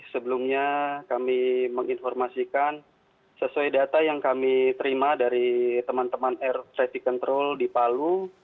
sebelumnya kami menginformasikan sesuai data yang kami terima dari teman teman air safety control di palu